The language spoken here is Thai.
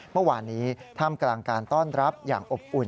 เมื่อวานนี้ท่ามกลางการต้อนรับอย่างอบอุ่น